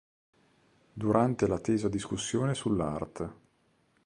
Durante la tesa discussione sull'art.